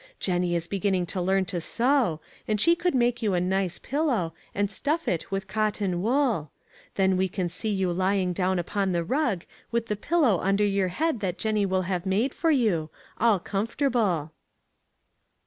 Jennie is beginning to learn to sew, and she could make you a nice pillow, and stuff it with cotton wool. Then we can see you lying down upon the rug, with the pillow under your head that Jennie will have made for you all comfortable."